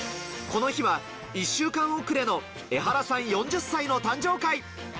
この日は１週間遅れのエハラさん４０歳の誕生会。